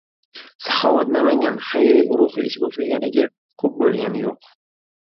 "Saxovat Namangan" xayriya guruhi ish boshlaganiga ko‘p bo‘lgani yo‘q.